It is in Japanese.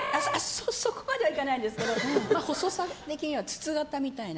そこまではいかないですけど細さ的には筒形みたいな。